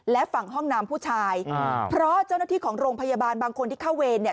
และฝั่งห้องน้ำผู้ชายอ่าเพราะเจ้าหน้าที่ของโรงพยาบาลบางคนที่เข้าเวรเนี่ย